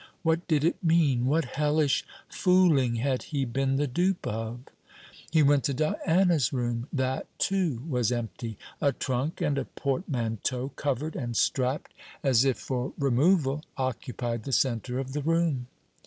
What did it mean? What hellish fooling had he been the dupe of? He went to Diana's room. That, too, was empty. A trunk and a portmanteau, covered and strapped as if for removal, occupied the centre of the room.